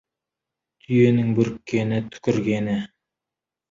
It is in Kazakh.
Түйенің бүріккені — түкіргені.